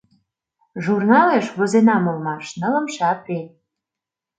Журналеш возенам улмаш: «Нылымше апрель.